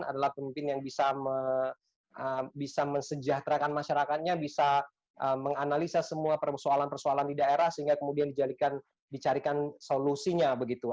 adalah pemimpin yang bisa mensejahterakan masyarakatnya bisa menganalisa semua persoalan persoalan di daerah sehingga kemudian dicarikan solusinya begitu